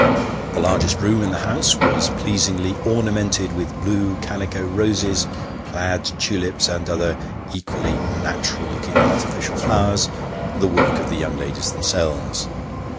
The largest room in the house was pleasingly ornamented with blue calico roses, plaid tulips, and other equally natural looking artificial flowers, the work of the young ladies themselves.